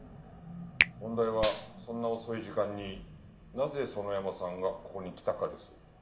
問題はそんな遅い時間になぜ園山さんがここに来たかです。